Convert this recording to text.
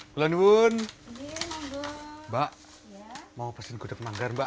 lulululul mbak mau pesen gudeg manggar mbak